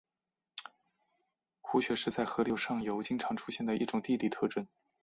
壶穴是在河流上游经常出现的一种地理特征。